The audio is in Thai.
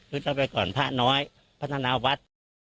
คือต้องไปก่อนพระน้อยพัฒนาวัด